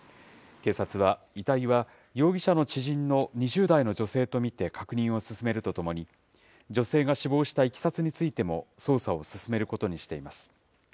警察は、遺体は容疑者の知人の２０代の女性と見て確認を進めるとともに、女性が死亡したいきさつについても捜査を進めることにしています。